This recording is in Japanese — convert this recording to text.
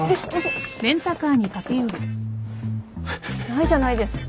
ないじゃないですか。